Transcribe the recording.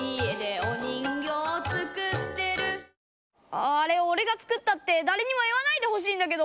あああれおれが作ったってだれにも言わないでほしいんだけど。